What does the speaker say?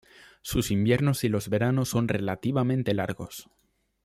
Sus inviernos y los veranos son relativamente largos.